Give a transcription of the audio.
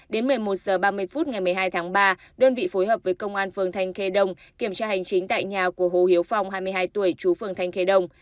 đến một mươi một h ba mươi phút ngày một mươi hai tháng ba đơn vị phối hợp với công an phường thanh khê đông kiểm tra hành chính tại nhà của hồ hiếu phong hai mươi hai tuổi chú phường thanh khê đông